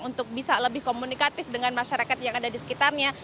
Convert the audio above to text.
untuk bisa lebih komunikatif dengan masyarakat yang ada di sekitarnya